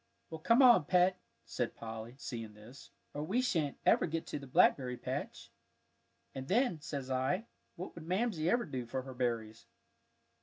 "Well, come on, Pet," said Polly, seeing this, "or we shan't ever get to the blackberry patch; and then, says I, what would Mamsie ever do for her berries!"